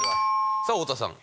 さあ太田さん。